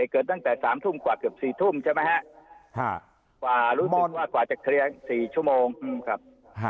เกิดตั้งแต่๓ทุ่มกว่าเกือบ๔ทุ่มใช่ไหมฮะกว่ารู้สึกว่ากว่าจะเคลียร์๔ชั่วโมงครับ